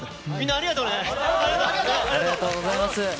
ありがとうございます。